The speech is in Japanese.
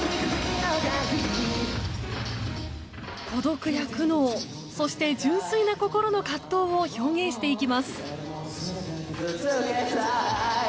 孤独や苦悩そして純粋な心の葛藤を表現していきます。